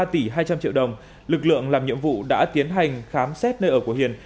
ba tỷ hai trăm linh triệu đồng lực lượng làm nhiệm vụ đã tiến hành khám xét nơi ở của hiền